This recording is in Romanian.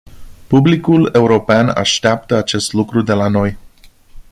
Publicul european așteaptă acest lucru de la noi.